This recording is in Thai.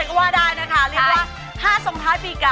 นุ่มสายฮารักปิ้นใหม่